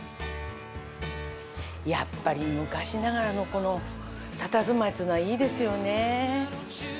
やっぱり昔ながらのこのたたずまいっていうのはいいですよね。